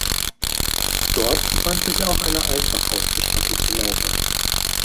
Dort befand sich auch eine einfach ausgestattete Laube.